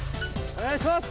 お願いします！